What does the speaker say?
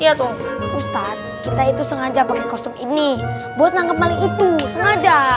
iya tuh ustadz kita itu sengaja pakai kostum ini buat nangkep malik itu sengaja